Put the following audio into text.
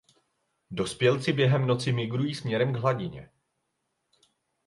Dospělci během noci migrují směrem k hladině.